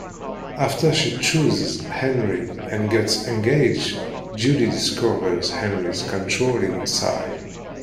After she chooses Henri and gets engaged, Judy discovers Henri's controlling side.